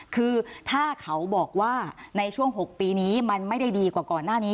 คือถ้าเขาบอกว่าในช่วง๖ปีนี้มันไม่ได้ดีกว่าก่อนหน้านี้